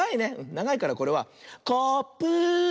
ながいからこれはコーップー。